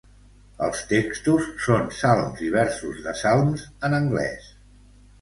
Els textos són salms i versos de salms en anglès.